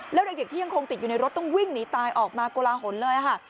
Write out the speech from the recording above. แล้วเด็กที่ยังคงติดอยู่ในรถต้องวิ่งหนีตายออกมาโกลาหลเลยค่ะ